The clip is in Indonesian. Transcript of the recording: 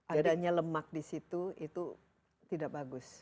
adanya lemak di situ itu tidak bagus